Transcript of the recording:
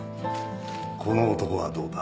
この男はどうだ？